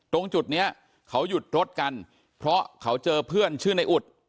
ตรงจุดนี้เขาหยุดรถกันเพราะเขาเจอเพื่อนชื่อในอุด